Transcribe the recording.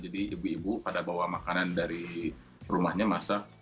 jadi ibu ibu pada bawa makanan dari rumahnya masak